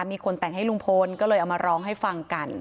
มีคนแต่งให้ลุงพลก็เลยเอามาร้องให้ฟังกัน